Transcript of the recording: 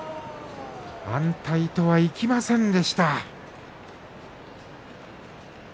安泰とはいきませんでした。